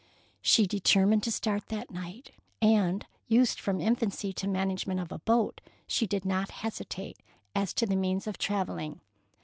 She determined to start that night, and, used from infancy to the manage ment of a boat, she did not hesitate as to the means of travelling.